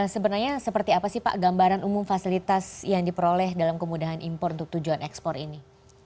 sebenarnya seperti apa sih pak gambaran umum fasilitas yang diperoleh dalam kemudahan impor untuk tujuan ekspor ini